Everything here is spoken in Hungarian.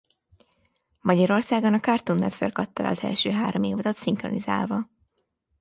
Magyarországon a Cartoon Network adta le az első három évadot szinkronizálva.